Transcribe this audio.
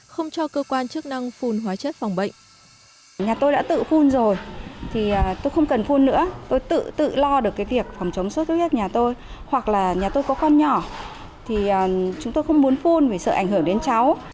không cho cơ quan chức năng phun hóa chất phòng bệnh